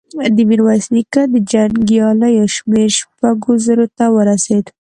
د ميرويس نيکه د جنګياليو شمېر شپږو زرو ته ورسېد.